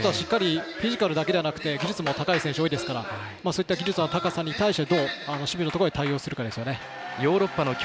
フィジカルだけでなく技術も高い選手が多いですからその技術の高さに対してどう守備のところで対応するかです。